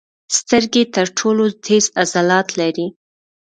سترګې تر ټولو تېز عضلات لري.